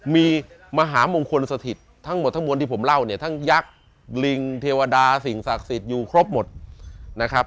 มีมหามงคลสถิตทั้งหมดทั้งมวลที่ผมเล่าเนี่ยทั้งยักษ์ลิงเทวดาสิ่งศักดิ์สิทธิ์อยู่ครบหมดนะครับ